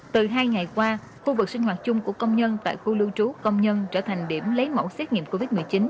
từ hai ngày qua khu vực sinh hoạt chung của công nhân tại khu lưu trú công nhân trở thành điểm lấy mẫu xét nghiệm covid một mươi chín